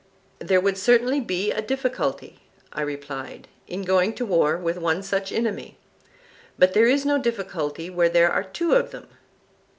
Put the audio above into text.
There would certainly be a difficulty, I replied, in going to war with one such enemy; but there is no difficulty where there are two of them.